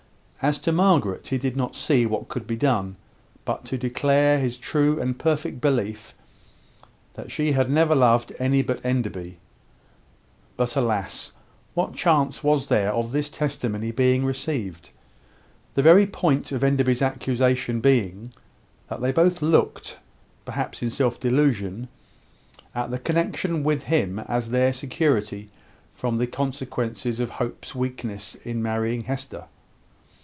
As to Margaret, he did not see what could be done, but to declare his true and perfect belief that she had never loved any but Enderby. But alas! what chance was there of this testimony being received; the very point of Enderby's accusation being, that they both looked, perhaps in self delusion, at the connection with him as their security from the consequences of Hope's weakness in marrying Hester?